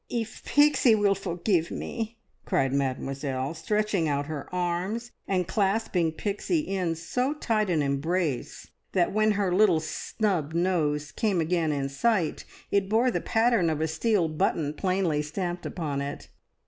"If Peexie will forgeeve me!" cried Mademoiselle, stretching out her arms and clasping Pixie in so tight an embrace that when her little snub nose came again in sight, it bore the pattern of a steel button plainly stamped upon it.